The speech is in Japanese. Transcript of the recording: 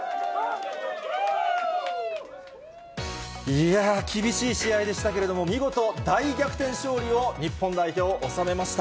いやぁ、厳しい試合でしたけれども、見事大逆転勝利を日本代表、収めました。